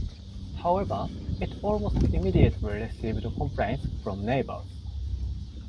However it almost immediately received complaints from neighbours.